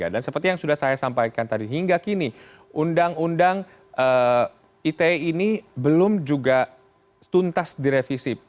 dan seperti yang sudah saya sampaikan tadi hingga kini undang undang ite ini belum juga tuntas direvisi